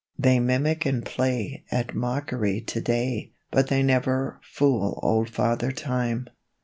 They mimic and play At mockery today, But they never fool Old Father Time.